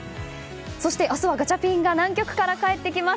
そして明日はガチャピンが南極から帰ってきます。